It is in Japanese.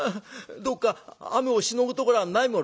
どっか雨をしのぐところはないものか」。